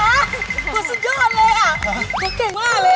หัวเก่งมากเลย